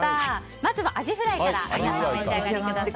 まずはアジフライからお召し上がりください。